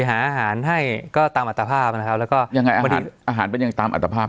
หาอาหารให้ก็ตามอัตภาพนะครับแล้วก็ยังไงอ่ะพอดีอาหารเป็นอย่างตามอัตภาพ